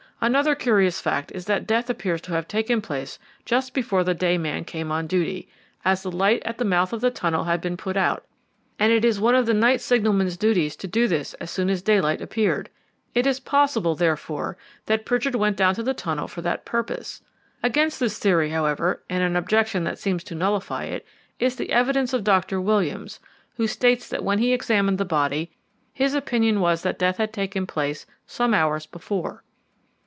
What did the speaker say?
Another curious fact is that death appears to have taken place just before the day man came on duty, as the light at the mouth of the tunnel had been put out, and it was one of the night signalman's duties to do this as soon as daylight appeared; it is possible, therefore, that Pritchard went down to the tunnel for that purpose. Against this theory, however, and an objection that seems to nullify it, is the evidence of Dr. Williams, who states that when he examined the body his opinion was that death had taken place some hours before.